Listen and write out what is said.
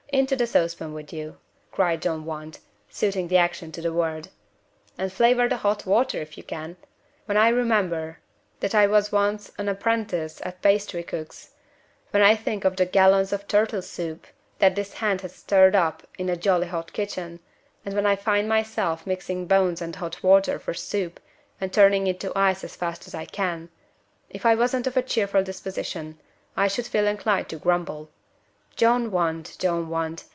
Into the saucepan with you," cried John Want, suiting the action to the word, "and flavor the hot water if you can! When I remember that I was once an apprentice at a pastry cook's when I think of the gallons of turtle soup that this hand has stirred up in a jolly hot kitchen and when I find myself mixing bones and hot water for soup, and turning into ice as fast as I can; if I wasn't of a cheerful disposition I should feel inclined to grumble. John Want! John Want!